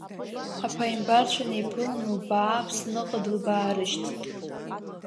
Аԥаимбарцәа неиԥылан, лбаа Аԥсныҟа дылбаарышьҭт.